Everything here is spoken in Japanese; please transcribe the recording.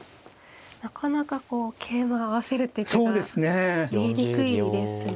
なかなか桂馬合わせる手っていうのは見えにくいですね。